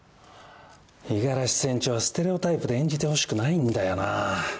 五十嵐船長はステレオタイプで演じてほしくないんだよなぁ。